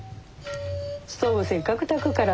ストーブせっかくたくから。